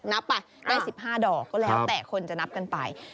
นับไปได้๑๕ดอกก็แล้วแต่คนจะนับกันไป